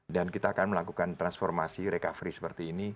dan kita akan melakukan transformasi recovery seperti ini